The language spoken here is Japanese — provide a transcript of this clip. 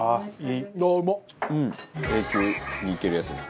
永久にいけるやつだ。